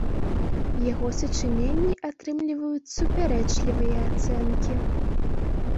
Яго сачыненні атрымліваюць супярэчлівыя ацэнкі.